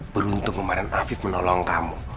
beruntung kemarin afif menolong kamu